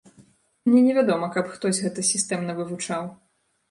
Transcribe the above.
Мне невядома, каб хтось гэта сістэмна вывучаў.